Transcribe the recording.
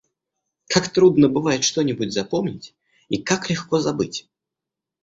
Как трудно бывает что-нибудь запомнить и как легко забыть!